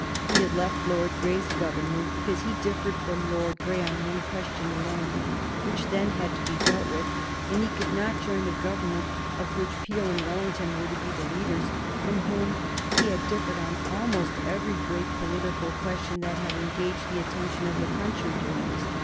He had left Lord Grey's Government because he differed with Lord Grey on one question alone, which then had to be dealt with, and he could not join a Government of which Peel and Wellington were to be the leaders, from whom he had differed on almost every great political question that had engaged the attention of the country during his time.